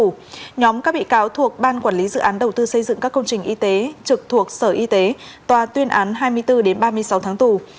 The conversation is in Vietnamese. nhóm các bị cáo thuộc ban quản lý dự án đầu tư xây dựng các công trình y tế trực thuộc sở y tế tòa tuyên án hai mươi bốn ba mươi sáu tháng tù